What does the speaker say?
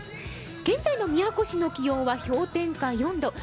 現在の宮古市の気温は氷点下４度。